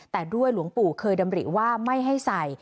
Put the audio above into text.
แต่ด้วยหลวงปู่เคยดำริว่าไม่ให้ใส่